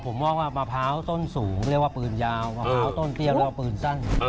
ผมมองว่ามะพร้าวต้นสูงเรียกว่าปืนยาวมะพร้าวต้นเปรี้ยวแล้วก็ปืนสั้น